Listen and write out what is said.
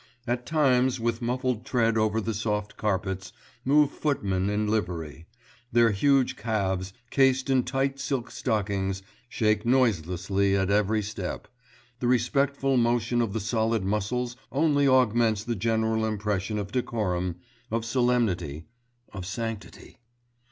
At times, with muffled tread over the soft carpets, move footmen in livery; their huge calves, cased in tight silk stockings, shake noiselessly at every step; the respectful motion of the solid muscles only augments the general impression of decorum, of solemnity, of sanctity.